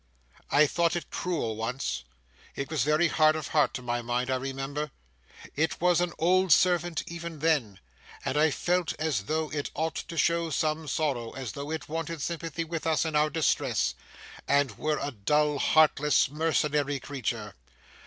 I thought it cruel once. It was very hard of heart, to my mind, I remember. It was an old servant even then; and I felt as though it ought to show some sorrow; as though it wanted sympathy with us in our distress, and were a dull, heartless, mercenary creature.